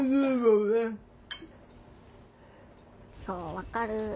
そう分かる。